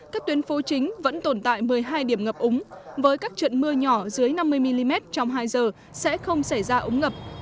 các tuyến phố chính vẫn tồn tại một mươi hai điểm ngập úng với các trận mưa nhỏ dưới năm mươi mm trong hai giờ sẽ không xảy ra ống ngập